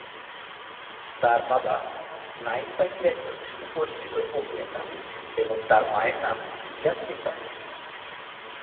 তার বাবা নাঈম তাহির একজন সুপরিচিত অভিনেতা এবং তার মায়ের নাম ইয়াসমিন তাহির।